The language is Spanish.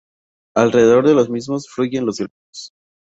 Alrededor de los mismos fluyen los granos.